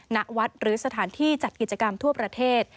ณวัดหรือสถานที่จัดกิจกรรมทั่วประเทศ